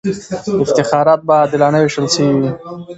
افتخارات به عادلانه وېشل سوي وي.